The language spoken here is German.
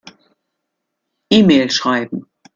E-Mail schreiben.